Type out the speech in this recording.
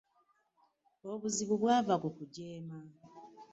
Obuzibu bwava ku kujeema.